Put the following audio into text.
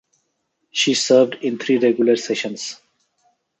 She served in three regular sessions.